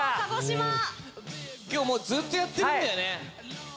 今日もうずっとやってるんだよね？